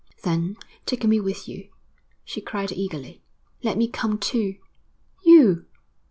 'Then take me with you,' she cried eagerly. 'Let me come too.' 'You!'